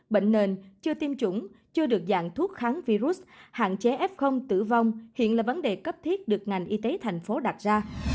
bệnh nền chưa tiêm chủng chưa được dạng thuốc kháng virus hạn chế f tử vong hiện là vấn đề cấp thiết được ngành y tế thành phố đặt ra